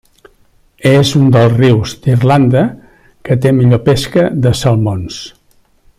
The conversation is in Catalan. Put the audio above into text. És un dels rius d'Irlanda que té millor pesca de salmons.